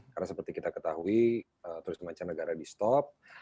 karena seperti kita ketahui turis mancanegara di stop